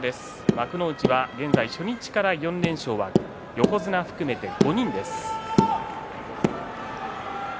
幕内は現在、初日から４連勝は横綱を含めて５人です。